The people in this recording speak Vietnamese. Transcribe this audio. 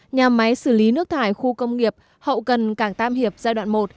nhà máy xử lý nước thải khu công nghiệp hậu cần cảng tam hiệp giai đoạn một